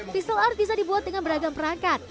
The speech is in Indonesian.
pistol art bisa dibuat dengan beragam perangkat